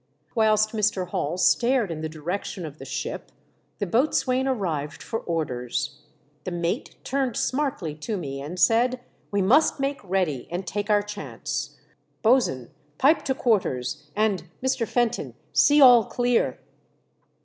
Whilst Mr. Hall stared in the direction of the ship the boatswain arrived for orders. The mate turned smartly to me, and said, "We must make ready, and take our chance. Bo's'n, pipe to quarters, and, Mr. Fenton, see all clear."